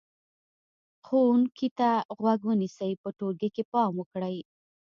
ښوونکي ته غوږ ونیسئ، په ټولګي کې پام وکړئ،